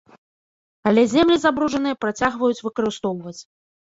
Але землі забруджаныя працягваюць выкарыстоўваць.